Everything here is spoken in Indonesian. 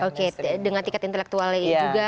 oke dengan tiket intelektualnya juga